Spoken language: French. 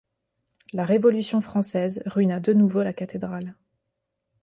La Révolution française ruina de nouveau la cathédrale.